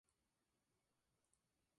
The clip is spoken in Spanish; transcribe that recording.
Se encuentra en Kenia, Uganda y Malaui.